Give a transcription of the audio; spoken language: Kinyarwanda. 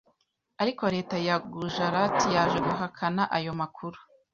ariko leta ya Gujarat yaje guhakana ayo makuru